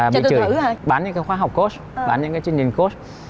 bán những khoa học coach bán những chương trình coach